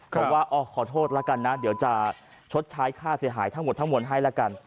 บอกว่าขอโทษแล้วกันนะเดี๋ยวจะชดใช้ค่าเสียหายทั้งหมดทั้งหมดให้ละกัน